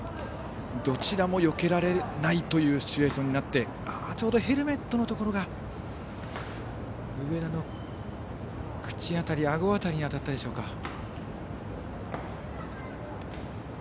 どちらもよけられないというシチュエーションになってちょうどヘルメットのところが上田の口あたり、あごあたりに当たったでしょうか。